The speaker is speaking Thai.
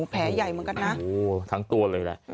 แผลใหญ่เหมือนกันนะทั้งตัวเลยแหละ